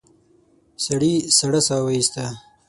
سړي سړه سا ويسته.